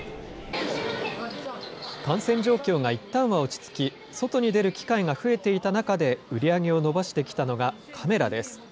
感染状況がいったんは落ち着き、外に出る機会が増えていた中で売り上げを伸ばしてきたのがカメラです。